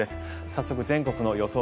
早速、全国の予想